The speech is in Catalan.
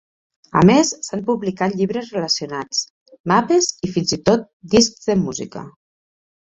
A més, s'han publicat llibres relacionats, mapes i fins i tot discs de música.